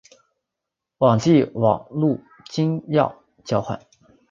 网际网路金钥交换。